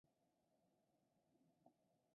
圣阿维里维埃。